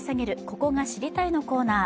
「ここが知りたい！」のコーナー